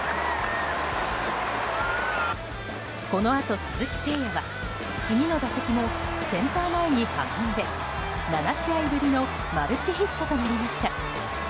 このあと鈴木誠也は次の打席もセンター前に運んで７試合ぶりのマルチヒットとなりました。